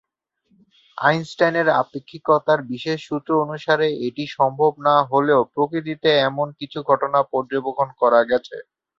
আইনস্টাইনের আপেক্ষিকতার বিশেষ সূত্র অনুসারে এটি সম্ভব না হলেও প্রকৃতিতে এমন কিছু ঘটনা পর্যবেক্ষণ করা গেছে।